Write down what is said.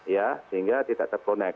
ya sehingga tidak ter connect